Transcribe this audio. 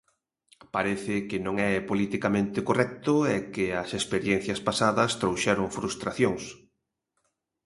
Parece que non é politicamente correcto e que as experiencias pasadas trouxeron frustracións.